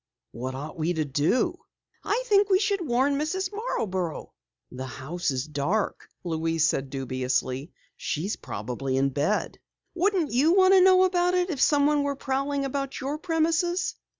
"What ought we to do?" "I think we should warn Mrs. Marborough." "The house is dark," Louise said dubiously. "She's probably in bed." "Wouldn't you want to know about it if someone were prowling about your premises?"